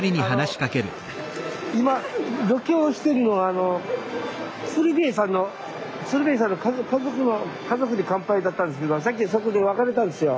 今ロケをしてるのは鶴瓶さんの鶴瓶さんの「家族に乾杯」だったんですけどさっきそこで別れたんですよ。